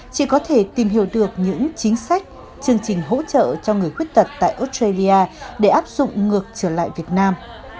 chị có thể tìm hiểu được những chính sách chương trình hỗ trợ cho người khuyết tật tại australia để áp dụng ngược trở lại việt nam